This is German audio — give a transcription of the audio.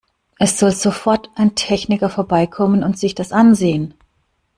Es soll sofort ein Techniker vorbeikommen und sich das ansehen!